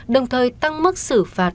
đồng thời tăng mức xử phạm